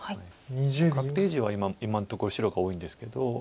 確定地は今のところ白が多いんですけど。